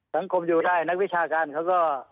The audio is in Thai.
สังคมอยู่ได้นักวิชาการเขาก็